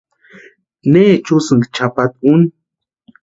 ¿Neecha úsïki chʼapata úni?